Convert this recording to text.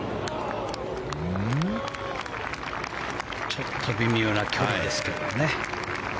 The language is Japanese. ちょっと微妙な距離ですけどね。